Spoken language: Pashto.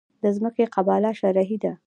د ځمکې قباله شرعي ده؟